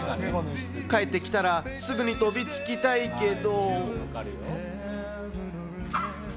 帰ってきたら、すぐに飛びつきたいけど。